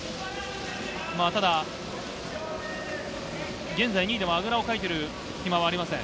ただ、現在２位でもあぐらをかいている暇はありません。